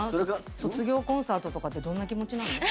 卒業コンサートとかってどんな気持ちなの？